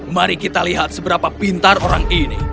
mari kita lihat seberapa pintar orang ini